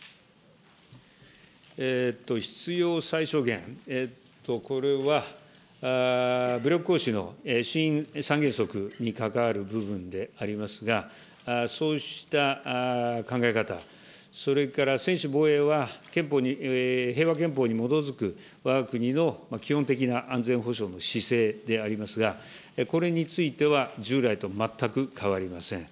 必要最小限、これは武力行使の新３原則に関わる部分でありますが、そうした考え方、それから専守防衛は、憲法に、平和憲法に基づくわが国の基本的な安全保障の姿勢でありますが、これについては、従来と全く変わりません。